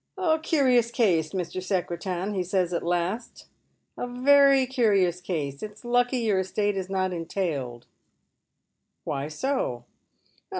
"A curious case, Mr. Secretan," he says at last, "a veiy curious case. It's lucky your estate is not entailed." " Why so